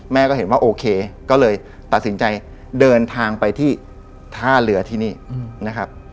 ก็เห็นว่าโอเคก็เลยตัดสินใจเดินทางไปที่ท่าเรือที่นี่นะครับ